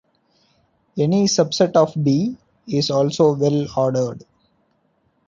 Any subset of "B" is also well-ordered.